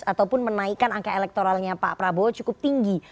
ataupun menaikkan angka elektoralnya pak prabowo cukup tinggi